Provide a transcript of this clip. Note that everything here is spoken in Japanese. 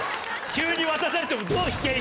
急に渡されても。